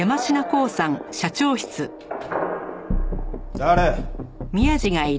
誰？